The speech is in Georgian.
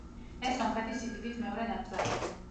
ეს სომხეთის სიდიდით მეორე ნაკრძალია.